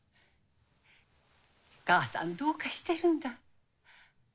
母さんどうかしてるんだ。